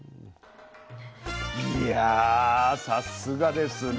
いやさすがですね。